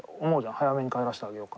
早めに帰らせてあげようとか。